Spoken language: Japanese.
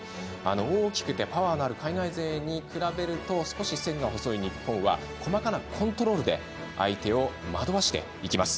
大きくてパワーのある海外勢に比べると少し線が細い日本は細かなコントロールで相手を惑わしていきます。